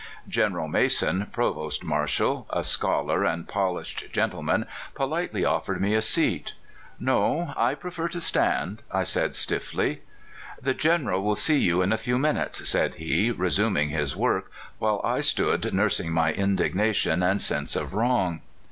General Mason, provost marshal, a scholar and polished gentleman, politely offered me a seat. " No ; I prefer to stand," I said stiffly. "The General will see you in a few minutes," said he, resuming his work, while I stood nursing my indignation and sense of wrong.